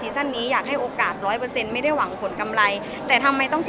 ซั่นนี้อยากให้โอกาสร้อยเปอร์เซ็นต์ไม่ได้หวังผลกำไรแต่ทำไมต้องเสีย